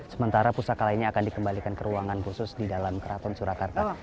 sementara pusaka lainnya akan dikembalikan ke ruangan khusus di dalam keraton surakarta